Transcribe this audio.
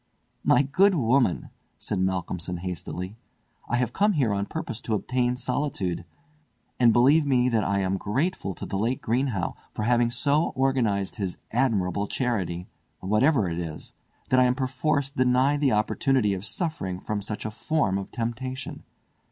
"My good woman," said Malcolmson hastily, "I have come here on purpose to obtain solitude; and believe me that I am grateful to the late Greenhow for having so organised his admirable charity—whatever it is—that I am perforce denied the opportunity of suffering from such a form of temptation!